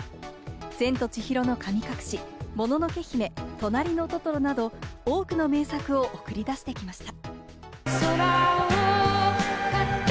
『千と千尋の神隠し』、『もののけ姫』、『となりのトトロ』など多くの名作を送り出してきました。